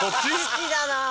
好きだなあ。